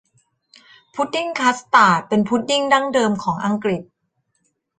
พุดดิ้งคัสตาร์ดเป็นพุดดิ้งดั้งเดิมของอังกฤษ